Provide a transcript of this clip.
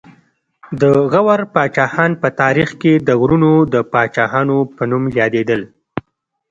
د غور پاچاهان په تاریخ کې د غرونو د پاچاهانو په نوم یادېدل